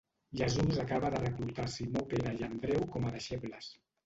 Jesús acaba de reclutar Simó Pere i Andreu com a deixebles.